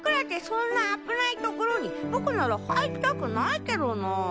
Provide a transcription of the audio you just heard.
そんな危ない所に僕なら入りたくないけどなぁ。